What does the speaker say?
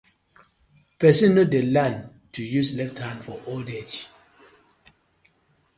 Person no dey learn to use left hand for old age: